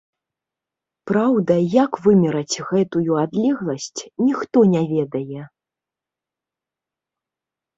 Праўда, як вымераць гэтую адлегласць, ніхто не ведае.